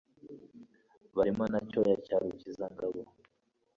barimo na cyoya cya rukiza ngabo